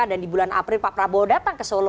dan di bulan april pak prabowo datang ke solo